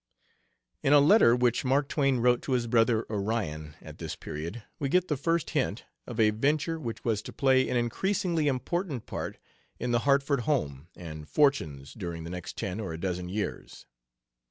In a letter which Mark Twain wrote to his brother Orion at this period we get the first hint of a venture which was to play an increasingly important part in the Hartford home and fortunes during the next ten or a dozen years.